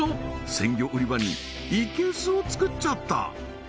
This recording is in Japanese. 鮮魚売り場に生け簀を作っちゃった